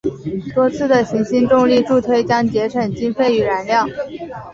多次的行星重力助推将节省经费与燃料。